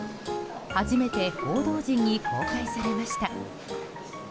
初めて報道陣に公開されました。